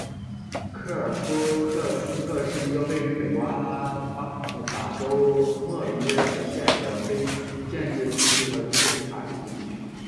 格尔夫克斯特是一个位于美国阿拉巴马州莫比尔县的非建制地区和人口普查指定地区。